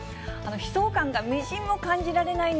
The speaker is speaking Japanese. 悲壮感がみじんも感じられない